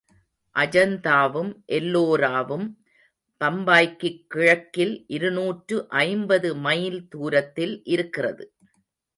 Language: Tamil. அஜந்தாவும் எல்லோராவும் பம்பாய்க்குக் கிழக்கில் இருநூற்று ஐம்பது மைல் தூரத்தில் இருக்கிறது.